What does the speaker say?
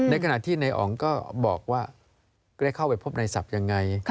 ในขณะที่นายอ๋องก็บอกว่าได้เข้าไปพบในศัพท์ยังไง